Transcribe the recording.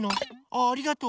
ありがとう。